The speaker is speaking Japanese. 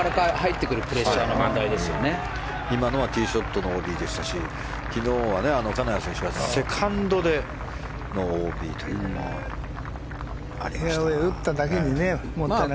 今のはティーショットのＯＢでしたし昨日は金谷選手はセカンドでのＯＢというのがありましたが。